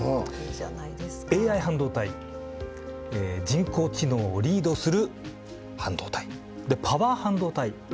ＡＩ半導体人工知能をリードする半導体。でパワー半導体。